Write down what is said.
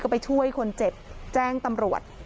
ไปช่วยคนเจ็บแจ้งตำรวจ